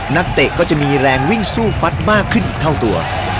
เตะก็จะมีแรงวิ่งสู้ฟัดมากขึ้นอีกเท่าตัว